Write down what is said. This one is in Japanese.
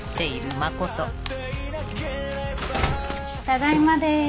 ただいまです。